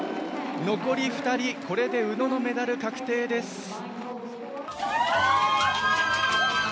残り２人、これで宇野のメダル確定です。